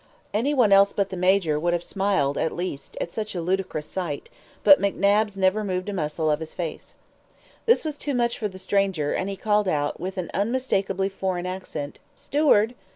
Any one else but the Major would have smiled, at least, at such a ludicrous sight; but McNabbs never moved a muscle of his face. This was too much for the stranger, and he called out, with an unmistakably foreign accent: "Steward!"